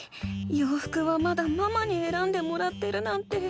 ようふくはまだママにえらんでもらってるなんて。